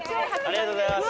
ありがとうございます。